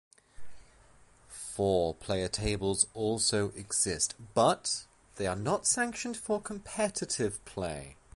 Four-player tables also exist, but they are not sanctioned for competitive play.